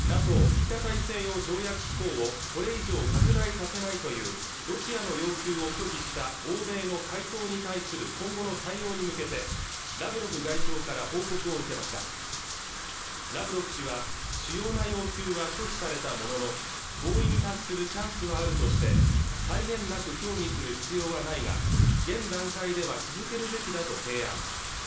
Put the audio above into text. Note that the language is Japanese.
ＮＡＴＯ＝北大西洋条約機構をこれ以上拡大させないというロシアの要求を拒否した欧米の回答に対する今後の対応に向けてラブロフ外相から報告を受けましたラブロフ氏は主要な要求は拒否されたものの合意に達するチャンスはあるとして際限なく協議する必要はないが現段階では続けるべきだと提案